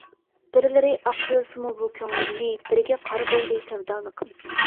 بىرلىرى ئاق بىلسىمۇ بۇ كۆڭلۈمنى، بىرىگە قارا بولدى سەۋدالىقىم.